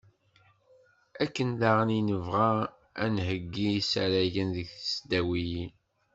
Akken daɣen i nebɣa ad nheggi isaragen deg tesdawiyin.